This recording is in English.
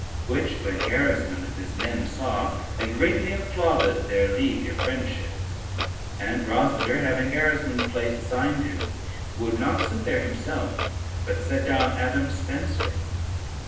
Which when Gerismond and his men saw, they greatly applauded their league of friendship; and Rosader, having Gerismond's place assigned him, would not sit there himself, but set down Adam Spencer.